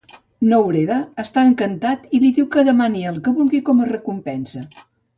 Nouredda està encantat i li diu que demani el que vulgui com a recompensa.